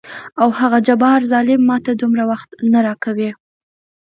او هغه جبار ظلم ماته دومره وخت نه راکوي.